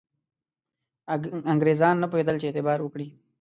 انګرېزان نه پوهېدل چې اعتبار وکړي.